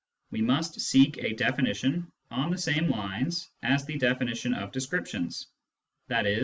We must seek a definition on the same lines as the definition of descriptions, i.e.